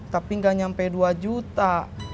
tapi nggak nyampe dua juta